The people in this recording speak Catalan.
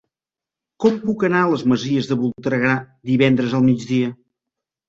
Com puc anar a les Masies de Voltregà divendres al migdia?